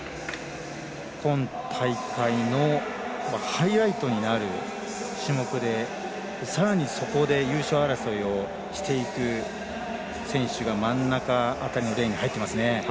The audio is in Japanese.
今大会のハイライトになる種目でさらにそこで優勝争いをしていく選手が真ん中辺りのレーンに入っていますね。